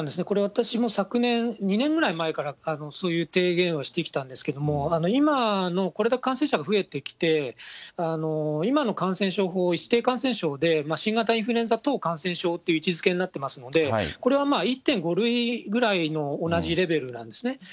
これ私も、昨年、２年ぐらい前からそういう提言をしてきたんですけども、今の、これだけ感染者が増えてきて、今の感染症法、指定感染症で、新型インフルエンザ等感染症という位置づけになっていますので、これはまあ、１．５類ぐらいの同じレベルなんですね。